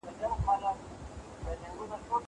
هغه څوک چي پاکوالي ساتي منظم وي!